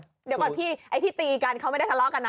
เดี๋ยวก่อนพี่ไอ้ที่ตีกันเขาไม่ได้ทะเลาะกันนะ